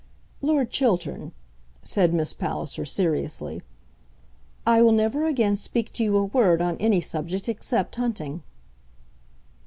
"Lord Chiltern," said Miss Palliser, seriously; "I will never again speak to you a word on any subject except hunting."